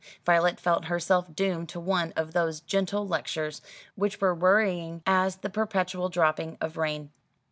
Violet felt herself doomed to one of those gentle lectures, which were worrying as the perpetual dropping of rain.